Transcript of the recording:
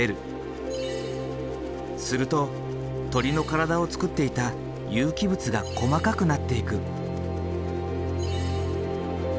すると鳥の体をつくっていた有機物が細かくなっていく。